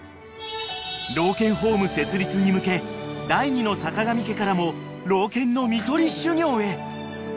［老犬ホーム設立に向け第２のさかがみ家からも老犬の看取り修業へ］